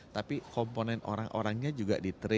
tapi komponen orang orangnya juga di train di upgrade